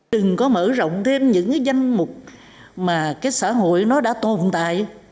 đừng có mở rộng thêm những danh mục mà cái xã hội nó đã tồn tại